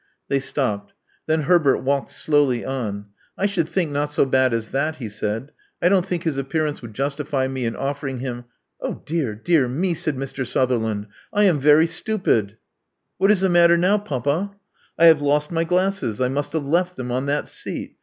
They stopped. Then Herbert walked slowly on. I should think not so bad as that," he said. I don't think his appearance would justify me in oflEering him " Oh, dear, dear me!" said Mr. Sutherland. I am very stupid." What is the matter now, papa?" I have lost my glasses. I must have left them on that seat.